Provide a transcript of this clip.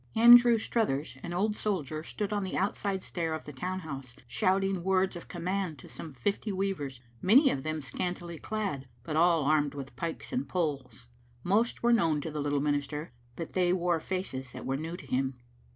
Andrew Struthers, an old soldier, stood on the outside stair of the town house, shouting words of command to some fifty weavers, many of them scantily clad, but all armed with pikes and poles. Most were known to the little minister, but they wore faces that were new to him.